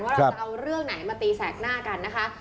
เราจะเอาเรื่องไหนมาตีแสกหน้ากันนะคะ